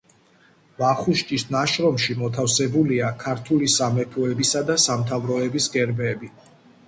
ვახუშტის ნაშრომში მოთავსებულია ქართული სამეფოებისა და სამთავროების გერბები.